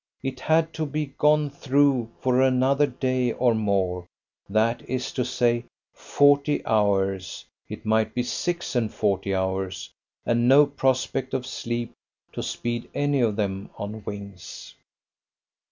It had to be gone through for another day and more; that is to say, forty hours, it might be six and forty hours; and no prospect of sleep to speed any of them on wings!